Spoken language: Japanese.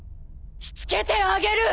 しつけてあげる！